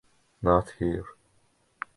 Not here.